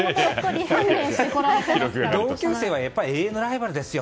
同級生はやっぱり永遠のライバルですよ。